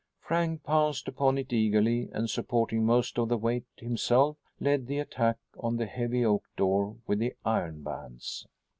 Frank pounced upon it eagerly, and, supporting most of the weight himself, led the attack on the heavy oak door with the iron bands.